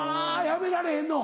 やめられへんの？